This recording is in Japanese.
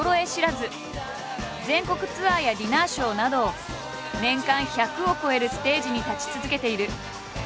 全国ツアーやディナーショーなど年間１００を超えるステージに立ち続けている。